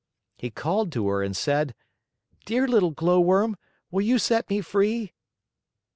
He called to her and said: "Dear little Glowworm, will you set me free?"